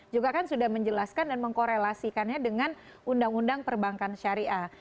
juga kan sudah menjelaskan dan mengkorelasikannya dengan undang undang perbankan syariah